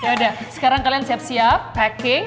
udah sekarang kalian siap siap packing